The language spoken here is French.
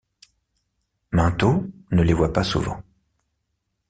Minto ne les voit pas souvent.